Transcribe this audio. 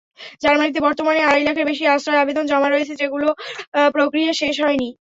জার্মানিতে বর্তমানে আড়াই লাখের বেশি আশ্রয়-আবেদন জমা রয়েছে, যেগুলোর প্রক্রিয়া শেষ হয়নি।